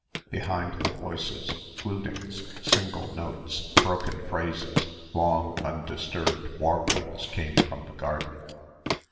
Behind the voices, flutings, single notes, broken phrases, long undisturbed warblings came from the garden.